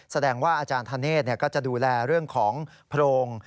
แสดงว่าอาจารย์ธเนธก็จะดูแลเรื่องของโพรง